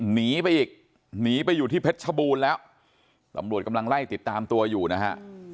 หนีไปอีกหนีไปอยู่ที่เพชรชบูรณ์แล้วตำรวจกำลังไล่ติดตามตัวอยู่นะฮะ